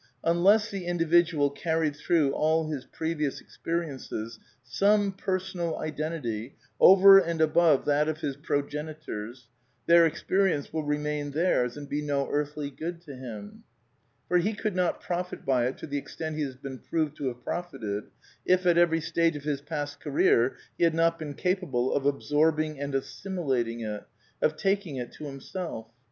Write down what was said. Unless the Individual carried through all his previous experiences some personal identity over and above that of his progenitors, their experience will remain theirs and be no earthly good to hinu For he could not profit by it to the extent he has been proved to have profited, if, at every stage of his past career, he had not been capable of absorb ing and assimilating it — of taking it to himself.